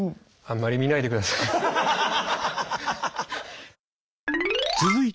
あんまり見ないでください。